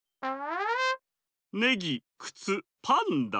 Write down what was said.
ねぎくつパンダ。